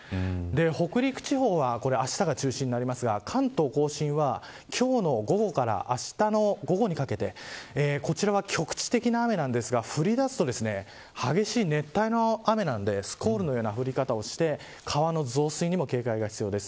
北陸地方はあしたが中心になりますが関東甲信は今日の午後からあしたの午後にかけてこちらは局地的な雨なんですが降りだすと、激しい熱帯の雨のスコールのような降り方をして川の増水にも警戒が必要です。